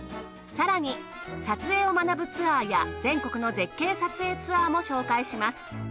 更に撮影を学ぶツアーや全国の絶景撮影ツアーも紹介します。